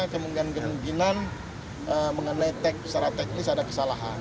kemungkinan kemungkinan mengenai secara teknis ada kesalahan